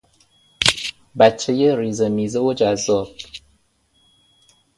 بچهی ریزه میزه و جذاب